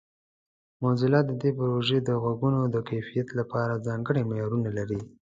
موزیلا د دې پروژې د غږونو د کیفیت لپاره ځانګړي معیارونه لري.